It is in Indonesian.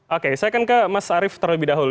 oke saya akan ke mas arief terlebih dahulu